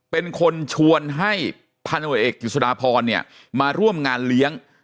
เป็นคนชวนให้พันธ์ตำรวจเอกเจษฎาพรเนี่ยมาร่วมงานเลี้ยง